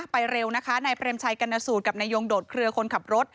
ไปเร็วนะคะนายเปรมชัยกรรณสูตรกับนายยงโดดเครือคนขับรถ